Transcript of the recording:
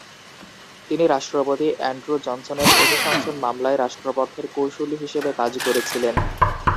তিনি রাষ্ট্রপতি অ্যান্ড্রু জনসনের অভিশংসন মামলায় রাষ্ট্রপক্ষের কৌসুলী হিসেবে কাজ করেছিলেন।